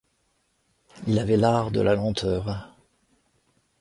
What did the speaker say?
Il avait l'art de la lenteur.